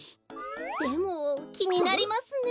でもきになりますね。